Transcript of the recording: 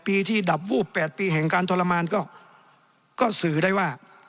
ปีที่ดับวูบ๘ปีแห่งการทรมานก็สื่อได้ว่า